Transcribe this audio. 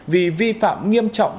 vì vi phạm nghiêm trọng